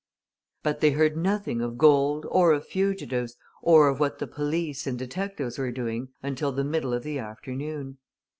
But they heard nothing of gold or of fugitives or of what the police and detectives were doing until the middle of the afternoon.